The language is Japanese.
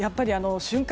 瞬間